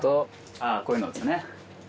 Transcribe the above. あぁこういうのですね